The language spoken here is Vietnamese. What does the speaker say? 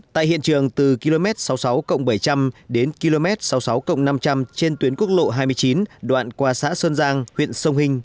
tại hiện trường từ km sáu mươi sáu bảy trăm linh đến km sáu mươi sáu năm trăm linh trên tuyến quốc lộ hai mươi chín đoạn qua xã sơn giang huyện sông hình